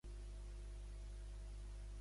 També és conegut com Enric d'Oatlands.